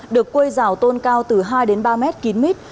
được quây rào tôn cao từ hai ba m kín mít